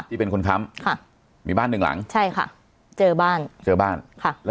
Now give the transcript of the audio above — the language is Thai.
ที่เป็นคนค้ำค่ะมีบ้านหนึ่งหลังใช่ค่ะเจอบ้านเจอบ้านค่ะแล้ว